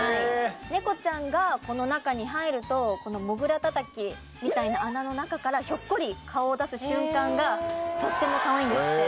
ネコちゃんがこの中に入るとこのもぐらたたきみたいな穴の中からひょっこり顔を出す瞬間がとってもかわいいんですって。